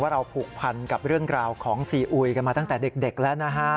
เราผูกพันกับเรื่องราวของซีอุยกันมาตั้งแต่เด็กแล้วนะฮะ